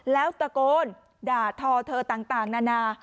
แล้วตะโกนด่าทอเธอต่างนานา